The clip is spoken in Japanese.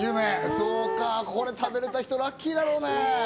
これ食べられた人、ラッキーだろうね。